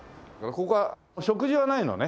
ここは食事はないのね？